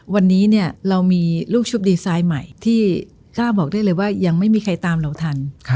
วันนี้เรามีลูกชุบดีไซน์ใหม่ที่กล้าบอกได้เลยว่ายังไม่มีใครตามเราทัน